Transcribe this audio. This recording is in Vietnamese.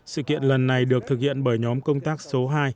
sự kiện lần này được thực hiện bởi nhóm công tác số hai